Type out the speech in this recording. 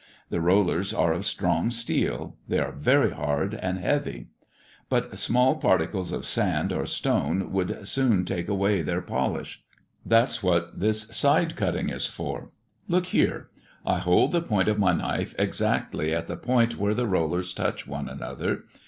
The rollers are of strong steel; they are very hard and heavy. But small particles of sand or stone would soon take away their polish. That's what this side cutting is for. Look here. I hold the point of my knife exactly at the point where the rollers touch one another.